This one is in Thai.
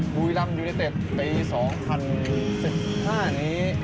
บุรีลัมยูนิเตฤตรี๒๐๑๕นี้